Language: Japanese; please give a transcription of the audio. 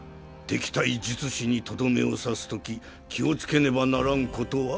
敵対術師にとどめを刺すとき気をつけねばならんことは？